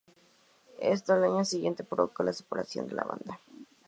Esto, al año siguiente, provocó la separación de la banda.